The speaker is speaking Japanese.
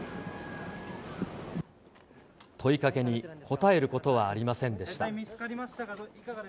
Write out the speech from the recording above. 問いかけに答えることはありませんでした。